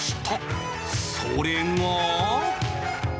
それが